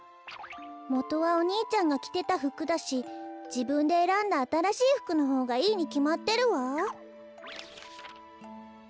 もとはお兄ちゃんがきてたふくだしじぶんでえらんだあたらしいふくのほうがいいにきまってるわ。